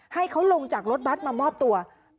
ให้เขาลงจากรถบัตรมามอบตัว